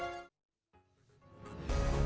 terima kasih mbak